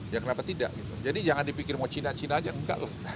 ya kenapa tidak jadi jangan dipikir mau cina cina aja enggak loh